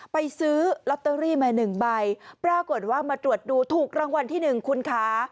ไปซื้อลอตเตอรี่มา๑ใบปรากฏว่ามาตรวจดูถูกรางวัลที่๑คุณค้า